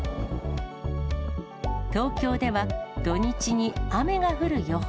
東京では、土日に雨が降る予報。